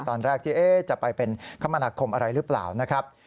ตอนแรกที่จะไปเป็นคมนาคมอะไรหรือเปล่านะครับ